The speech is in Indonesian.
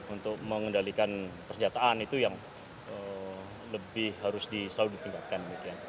untuk mengendalikan persenjataan itu yang lebih harus selalu ditingkatkan